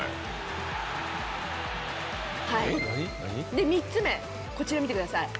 で３つ目こちら見てください。